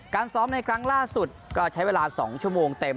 ซ้อมในครั้งล่าสุดก็ใช้เวลา๒ชั่วโมงเต็ม